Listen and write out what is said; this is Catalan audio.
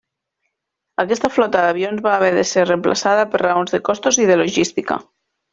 Aquesta flota d'avions va haver d'esser reemplaçada per raons de costos i de logística.